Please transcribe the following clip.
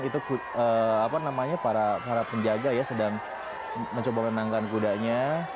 itu apa namanya para penjaga ya sedang mencoba menenangkan kudanya